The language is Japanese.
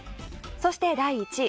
そして、第１位。